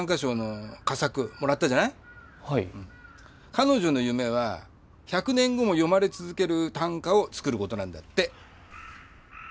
彼女の夢は１００年後も読まれ続ける短歌を作ることなんだって。